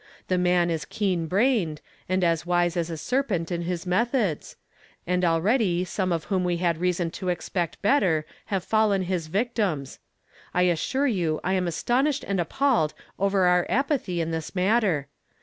The man is keen brained, and as wise as a serpent in his methods; and already some of whom we had reason to expect better have fallen his victims. I assure you I am as tonished and appalled over our apathy in this matter.